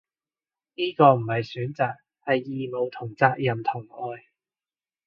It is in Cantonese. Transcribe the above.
呢個唔係選擇，係義務同責任同愛